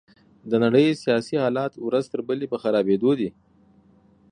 د نړۍ سياسي حالات ورځ تر بلې په خرابيدو دي.